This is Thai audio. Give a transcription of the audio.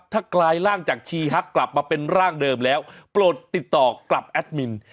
ถ้ากลายร่างจากชีฮักกลับมาเป็นร่างเดิมแล้วโปรดติดต่อกลับแอดมิน